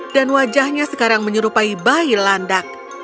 dan wajahnya sekarang menyerupai bayi landak